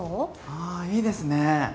あーいいですね